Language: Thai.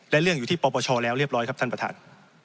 และเรื่องอยู่ที่ปปชแล้วเรียบร้อยครับท่านประธาน